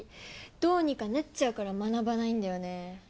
どうにかなっちゃうから学ばないんだよね。